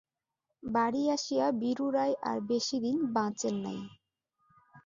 বাড়ী আসিয়া বীরু রায় আর বেশি দিন বাঁচেন নাই।